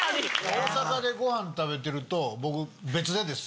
大阪でごはん食べてると僕別でですよ